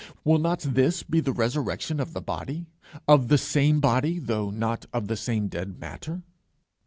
Will not this be the resurrection of the body? of the same body though not of the same dead matter?